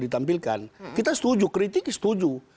ditampilkan kita setuju kritik setuju